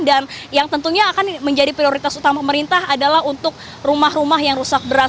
dan yang tentunya akan menjadi prioritas utama pemerintah adalah untuk rumah rumah yang rusak berat